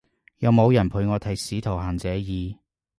有冇人陪我睇使徒行者二？